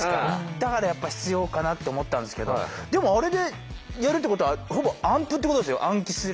だからやっぱ必要かなと思ったんですけどでもあれでやるってことはほぼ暗譜ってことですよ暗記する。